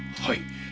はい。